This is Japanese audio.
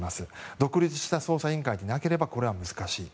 独立した捜査委員会でなければこれは難しい。